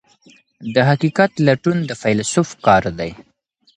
د حقیقت لټون د فیلسوف کار دی.